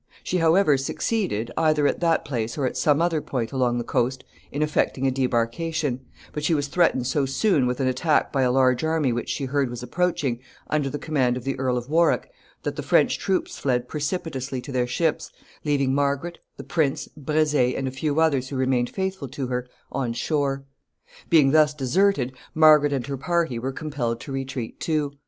She, however, succeeded, either at that place or at some other point along the coast, in effecting a debarkation; but she was threatened so soon with an attack by a large army which she heard was approaching, under the command of the Earl of Warwick, that the French troops fled precipitately to their ships, leaving Margaret, the prince, Brezé, and a few others who remained faithful to her, on shore. Being thus deserted, Margaret and her party were compelled to retreat too.